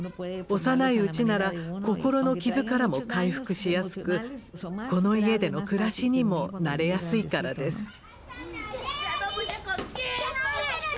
幼いうちなら心の傷からも回復しやすくこの家での暮らしにも慣れやすいからです。